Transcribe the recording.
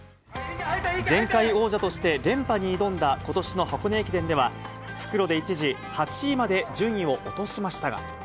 前回王者として連覇に挑んだことしの箱根駅伝では、復路で一時、８位まで順位を落としましたが。